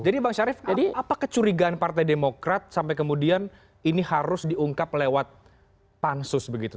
jadi bang syarif apa kecurigaan partai demokrat sampai kemudian ini harus diungkap lewat pansus begitu